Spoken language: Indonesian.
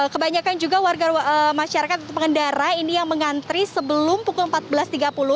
kebanyakan juga warga masyarakat atau pengendara ini yang mengantri sebelum pukul empat belas tiga puluh